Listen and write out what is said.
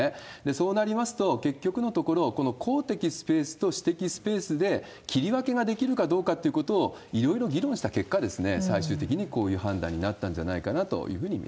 そうなりますと、結局のところ、この公的スペースと私的スペースで、切り分けができるかどうかってことをいろいろ議論した結果、最終的にこういう判断になったん